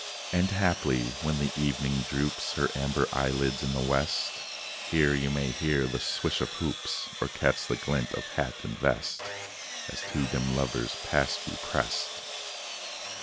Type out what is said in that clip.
And, haply, when the evening droops Her amber eyelids in the west, Here you may hear the swish of hoops, Or catch the glint of hat and vest, As two dim lovers past you pressed.